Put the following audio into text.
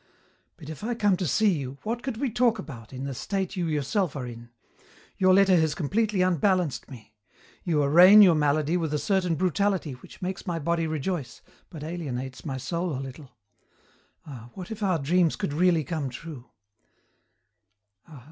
"'But if I come to see you, what could we talk about, in the state you yourself are in? Your letter has completely unbalanced me. You arraign your malady with a certain brutality which makes my body rejoice but alienates my soul a little. Ah, what if our dreams could really come true!